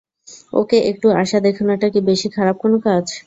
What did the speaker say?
ওকে একটু আশা দেখানোটা কি বেশি খারাপ কোনো কাজ?